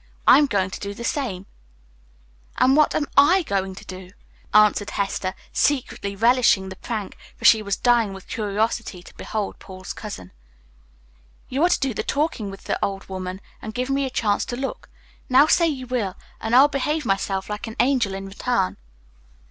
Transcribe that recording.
I'm going to do the same." "And what am I to do?" asked Hester, secretly relishing the prank, for she was dying with curiosity to behold Paul's cousin. "You are to do the talking with the old woman, and give me a chance to look. Now say you will, and I'll behave myself like an angel in return."